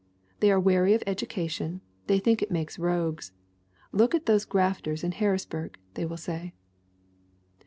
They are wary of education ; they think it makes rogues. 'Look at those grafters in Harris burg!' they will say."